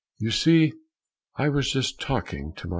You see, I was just talking to myself!